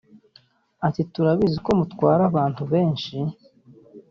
Ati” Turabizi ko mutwara abantu benshi